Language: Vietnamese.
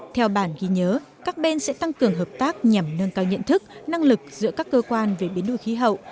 theo bản ghi nhớ các bên sẽ tăng cường hợp tác nhằm nâng cao nhận thức năng lực giữa các cơ quan về biến đổi khí hậu